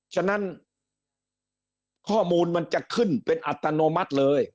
ฉะนั้นข้อมูลมันจะขึ้นเป็นอัตโนมัติเลย